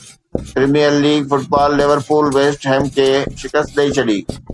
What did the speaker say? premier league football Liverpool West Ham کي شڪست ڏئي ڇڏي